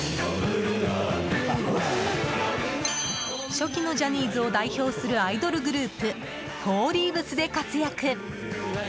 初期のジャニーズを代表するアイドルグループフォーリーブスで活躍。